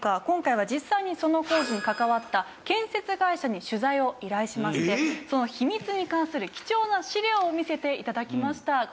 今回は実際にその工事に関わった建設会社に取材を依頼しましてその秘密に関する貴重な資料を見せて頂きました。